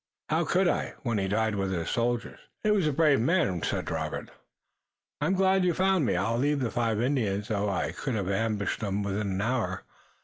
How could I when he died with his soldiers?" "He was a brave man," said Robert. "I'm glad you found me. I'll leave the five Indians, though I could have ambushed 'em within the hour.